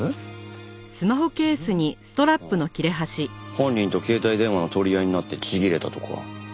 犯人と携帯電話の取り合いになってちぎれたとか。